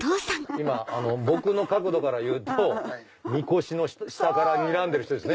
僕の角度からいうとみこしの下からにらんでる人。